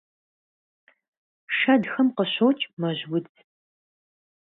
Шэдхэм къыщокӀ мэжьудз.